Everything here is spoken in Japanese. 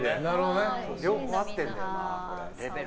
両方合ってるんだよな。